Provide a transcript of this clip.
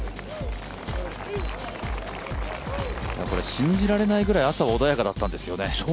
信じられないぐらい朝は穏やかだったんですよね。